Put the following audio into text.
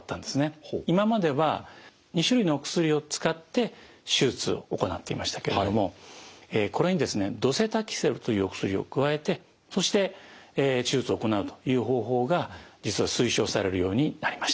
今までは２種類のお薬を使って手術を行っていましたけれどもこれにですねドセタキセルというお薬を加えてそして手術を行うという方法が実は推奨されるようになりました。